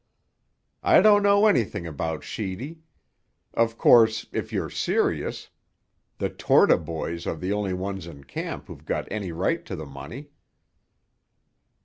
"I don't know anything about Sheedy. Of course, if you're serious, the Torta boys are the only ones in camp who've got any right to the money."